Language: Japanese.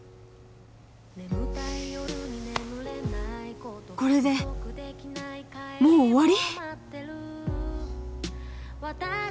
そのこれでもう終わり！？